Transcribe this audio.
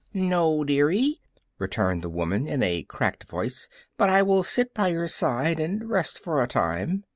"No, dearie," returned the woman, in a cracked voice, "but I will sit by your side and rest for a time."